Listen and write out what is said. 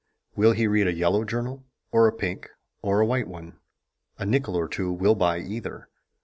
Will he read a yellow journal or a pink or a white one? A nickel or two will buy either.